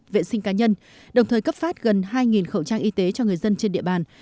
vệ sinh cá nhân đồng thời cấp phát gần hai khẩu trang y tế cho người dân trên địa bàn